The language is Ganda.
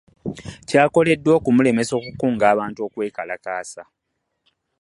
Kyakoleddwa okumulemesa okukunga abantu okwekalakaasa